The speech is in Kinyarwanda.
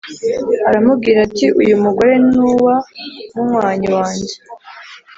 aramubwira ati"uyumugore nuwamunywanyi wanjye